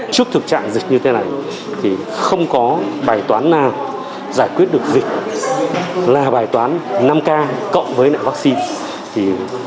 trước thực trạng dịch như thế này không có bài toán nào giải quyết được dịch là bài toán năm k cộng với vaccine